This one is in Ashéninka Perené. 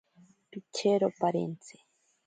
Pichekero parentsi.